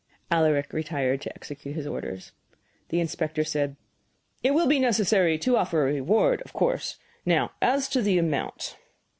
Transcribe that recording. Alaric retired to execute his orders. The inspector said: "It will be necessary to offer a reward, of course. Now as to the amount?"